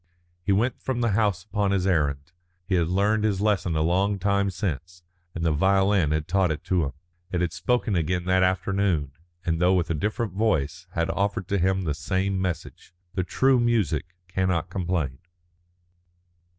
He went from the house upon his errand. He had learned his lesson a long time since, and the violin had taught it him. It had spoken again that afternoon, and though with a different voice, had offered to him the same message. The true music cannot complain.